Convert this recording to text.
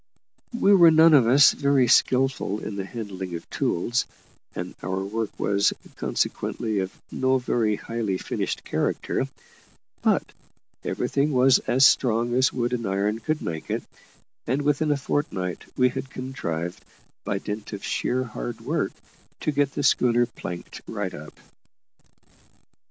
We were none of us very skilful in the handling of tools, and our work was, consequently, of no very highly finished character; but everything was as strong as wood and iron could make it, and within a fortnight we had contrived, by dint of sheer hard work, to get the schooner planked right up.